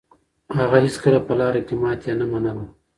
هغه هيڅکله په لاره کې ماتې نه منله.